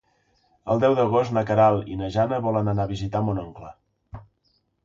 El deu d'agost na Queralt i na Jana volen anar a visitar mon oncle.